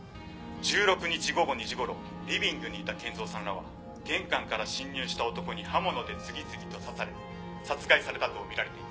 「１６日午後２時頃リビングにいた健三さんらは玄関から侵入した男に刃物で次々と刺され殺害されたとみられています」